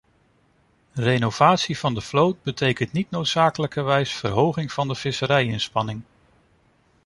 Renovatie van de vloot betekent niet noodzakelijkerwijs verhoging van de visserij-inspanning.